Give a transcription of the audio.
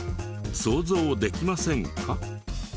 想像できませんか？